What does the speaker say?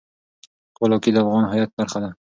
خپلواکي د افغان هویت برخه ده.